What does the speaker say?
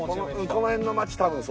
この辺の街多分そう。